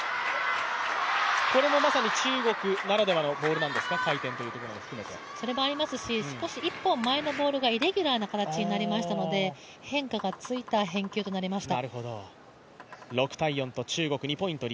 これもまさに中国ならではのボールなんですか、回転も含めてそれもありますし少し１本前のボールがイレギュラーな形になりましたので変化がついた返球となりました。